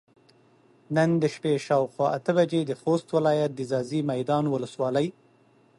نن د شپې شاوخوا اته بجې د خوست ولايت د ځاځي ميدان ولسوالۍ